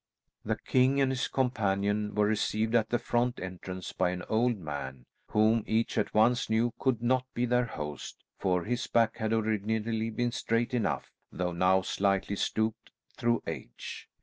The king and his companion were received at the front entrance by an old man, whom each at once knew could not be their host, for his back had originally been straight enough, though now slightly stooped through age.